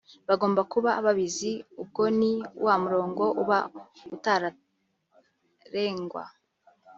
bagomba kuba babizi ubwo ni wa murongo uba utararengwa